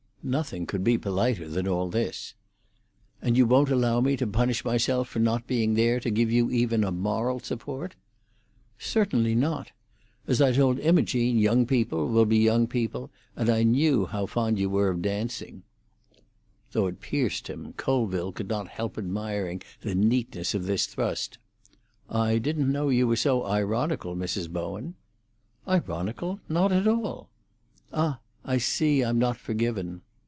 Nothing could be politer than all this. "And you won't allow me to punish myself for not being there to give you even a moral support?" "Certainly not. As I told Imogene, young people will be young people; and I knew how fond you were of dancing." Though it pierced him, Colville could not help admiring the neatness of this thrust. "I didn't know you were so ironical, Mrs. Bowen." "Ironical? Not at all." "Ah! I see I'm not forgiven."